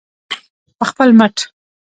په خپل مټ.